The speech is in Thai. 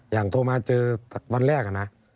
อย่างโทรมาเจอวันแรกอะนะ